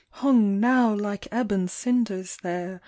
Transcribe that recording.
Hung now like ebon cinders there.